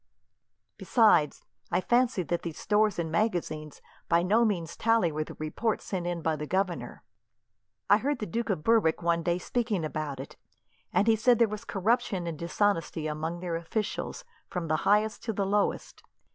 "Besides, I fancy I shall find that these stores and magazines by no means tally with the report sent in by the governor. I heard the Duke of Berwick one day speaking about it, and he said there was corruption and dishonesty among their officials, from the highest to the lowest.